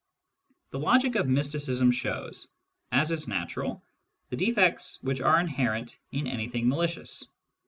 The logic of mysticism shows, as is natural, the defects which are inherent in anything malicious.